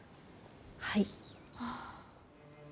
はい。